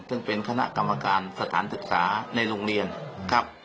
ซึ่งเป็นคณะกรรมการสถานศึกษาในโรงเรียนครับ